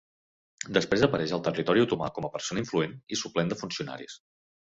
Després apareix al territori otomà com a persona influent i suplent de funcionaris.